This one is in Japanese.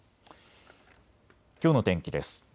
きょうの天気です。